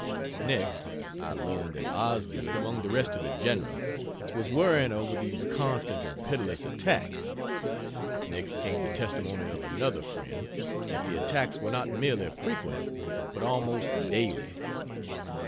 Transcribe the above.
Next, I learned that Osgood, among the rest of the "general," was worrying over these constant and pitiless attacks. Next came the testimony of another friend, that the attacks were not merely "frequent," but "almost daily."